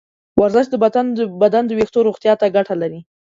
ورزش د بدن د ویښتو روغتیا ته ګټه لري.